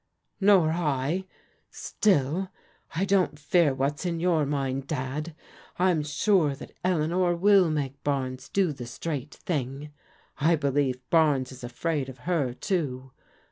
" Nor I. Still I don't fear what's in your mind. Dad. I'm sure that Eleanor will make Barnes do the straight thing. I believe Barnes is afraid of her, too.